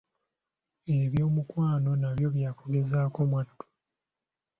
Ebyomukwano nabyo byakugezaako mwattu.